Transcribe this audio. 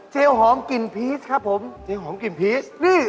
เจลหอมกลิ่นพีชครับผม